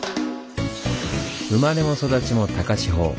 生まれも育ちも高千穂。